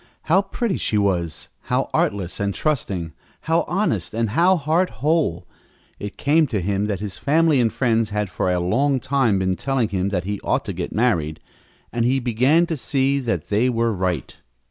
How pretty she was, how artless and trusting, how honest and how heart whole! It came to him that his family and friends had for a long time been telling him that he ought to get married, and he began to see that they were right.